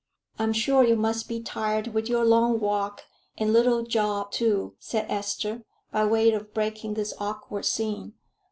"I'm sure you must be tired with your long walk, and little Job too," said Esther, by way of breaking this awkward scene.